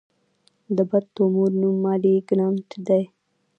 د بد تومور نوم مالېګننټ دی.